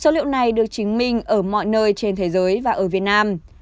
số liệu này được chứng minh ở mọi nơi trên thế giới và ở việt nam